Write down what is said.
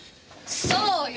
そうよ！